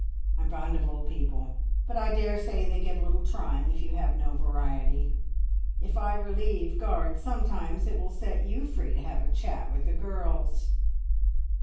I'm fond of old people, but I daresay they get a little trying if you have no variety. If I relieve guard sometimes, it will set you free to have a chat with the girls!"